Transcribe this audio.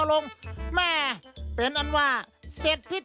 สีสันข่าวชาวไทยรัฐมาแล้วครับ